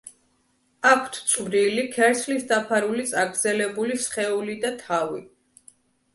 აქვთ წვრილი ქერცლით დაფარული წაგრძელებული სხეული და თავი.